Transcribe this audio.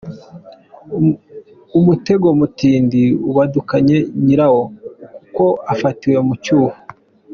Umutego mutindi ubadukanye nyirawo kuko afatiwe mu cyuho.